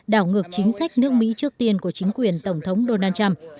đảo ngược chính sách nước mỹ trước tiên của chính quyền tổng thống donald trump